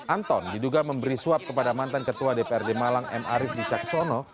anton diduga memberi suap kepada mantan ketua dprd malang m arief dicaksono